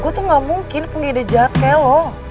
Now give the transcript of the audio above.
gue tuh gak mungkin punya ide jahat kayak eloh